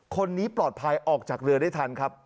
คนนี้ปลอดภัยออกจากเรือได้ทันครับ